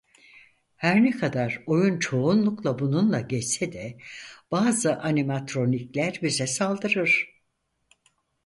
Her ne kadar oyun çoğunlukla bununla geçse de bazı animatronikler bize saldırır.